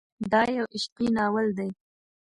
دا يو عشقي ناول دی.